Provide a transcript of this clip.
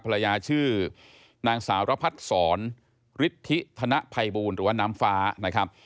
ภรรยาชื่อนางสาวระพัดศรฤทธิธนภัยบูลหรือว่าน้ำฟ้านะครับ